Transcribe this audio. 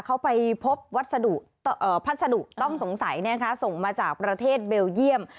เขาไปพบวัสดุพัสดุต้องสงสัยส่งมาจากประเทศเบลเยี่ยม